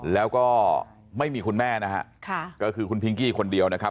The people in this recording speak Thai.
แล้วก็ไม่มีคุณแม่นะฮะค่ะก็คือคุณพิงกี้คนเดียวนะครับ